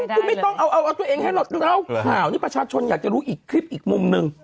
คือไม่ต้องเอาตัวเองให้เราเล่าข่าวนี้ประชาชนอยากจะรู้อีกคลิปอีกมุมหนึ่ง